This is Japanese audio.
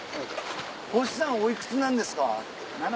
星さんおいくつなんですか？